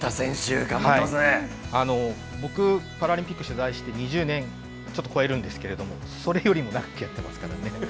僕、パラリンピック取材して２０年ちょっと超えるんですけれども、それよりも長くやってますからね。